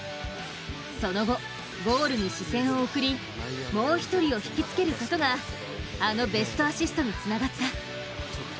その後、ゴールに視線を送りもう一人を引きつけることがあのベストアシストにつながった。